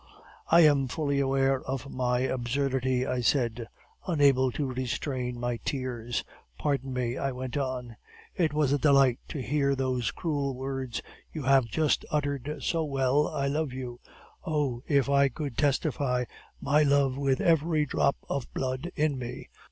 "'I am fully aware of my absurdity,' I said, unable to restrain my tears. 'Pardon me,' I went on, 'it was a delight to hear those cruel words you have just uttered, so well I love you. O, if I could testify my love with every drop of blood in me!